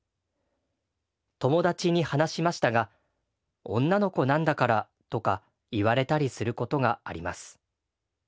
友達に話しましたが『女の子なんだから』とか言われたりすることがあります。